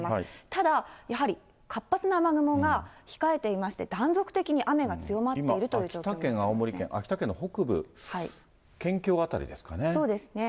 ただ、やはり活発な雨雲が控えていまして、断続的に雨が強まって今、秋田県、青森県、秋田県そうですね。